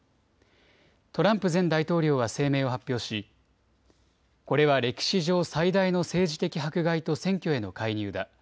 トランプ前大統領は声明を発表しこれは歴史上最大の政治的迫害と選挙への介入だ。